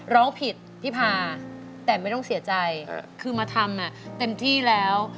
ร้องผิดพี่พาแต่ไม่ต้องเสียใจคือมาทำเต็มที่แล้ว